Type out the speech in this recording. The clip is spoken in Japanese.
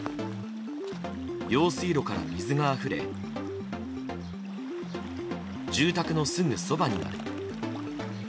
用水路から水があふれ住宅のすぐそばにまで。